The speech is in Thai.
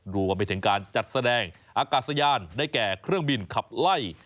รวมไปถึงการจัดแสดงอากาศยานได้แก่เครื่องบินขับไล่